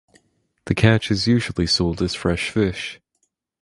The catch is usually sold as fresh fish.